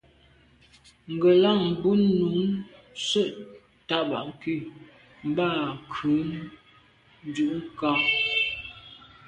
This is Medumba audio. Ŋgə̀lâŋ brʉ́n nǔm sə̂' taba'ké mbá à nkrə̌ ndʉ́ kǎ.